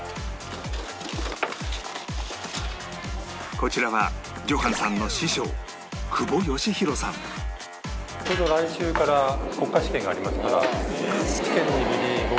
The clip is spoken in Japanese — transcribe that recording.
こちらはジョハンさんのちょうど来週から国家試験がありますから。